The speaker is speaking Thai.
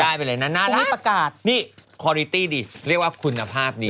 ได้ไปเลยนะน่าละคุณผู้ชมคนพี่ประกาศนี่ดิเรียกว่าคุณภาพนี้